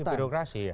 ya itu dipilgrerasi ya